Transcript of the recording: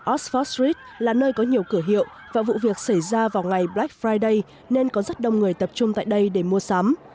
osfostries là nơi có nhiều cửa hiệu và vụ việc xảy ra vào ngày black friday nên có rất đông người tập trung tại đây để mua sắm